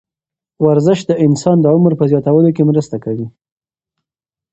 ورزش د انسان د عمر په زیاتولو کې مرسته کوي.